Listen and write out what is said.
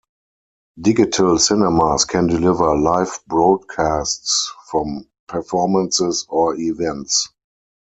Digital cinemas can deliver live broadcasts from performances or events.